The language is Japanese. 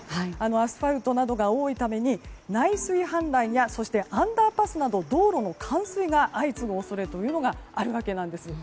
アスファルトなどが多いために内水氾濫やアンダーパスなど道路の冠水が相次ぐ恐れがあるわけなんです。